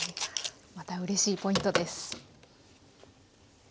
またうれしいポイントです。